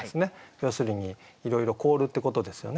要するにいろいろ凍るってことですよね。